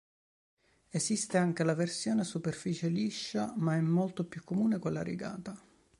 Esiste anche la versione a superficie liscia, ma è molto più comune quella rigata.